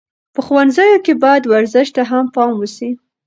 په ښوونځیو کې باید ورزش ته هم پام وسي.